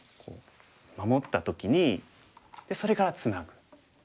守った時にでそれからツナぐ。